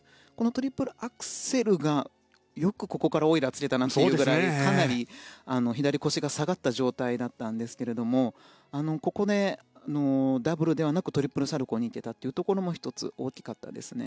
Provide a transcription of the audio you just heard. トリプルアクセルが、よくオイラー付けたなというぐらいかなり左腰が下がった状態だったんですがここでダブルではなくトリプルサルコウにいけたことも１つ大きかったですね。